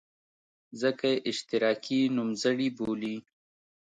ځکه یې اشتراکي نومځري بولي.